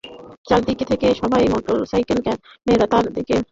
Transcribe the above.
চারদিকে থেকে সবাই মোবাইলের ক্যামেরা তাক করে কেক কাটার ভিডিও করছিলেন।